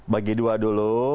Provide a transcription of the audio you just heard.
bagi dua dulu